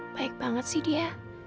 baik banget sih dia